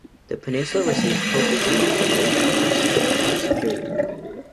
The peninsula receives copious amounts of lake-effect snow from Lake Superior.